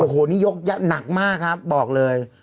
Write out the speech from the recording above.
โอ้โหนี่ยกหนักมากครับบอกเลย